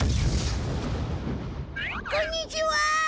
こんにちは！